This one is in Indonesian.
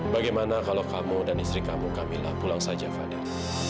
bagaimana kalau kamu dan istri kamu kamilah pulang saja fadi